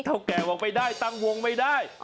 เท่าแก่บอกไม่ได้ตั้งวงไม่ได้